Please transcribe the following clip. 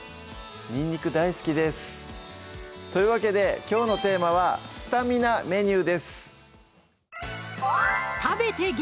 にんにく大好きですというわけできょうのテーマは「スタミナメニュー」です